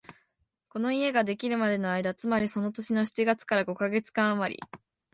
この家ができるまでの間、つまりその年の七月から五カ月間あまり、